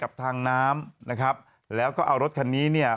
สุดท้ายแล้วเอารถขันนี้